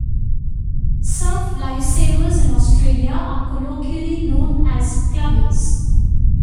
Surf lifesavers in Australia are colloquially known as "Clubbies".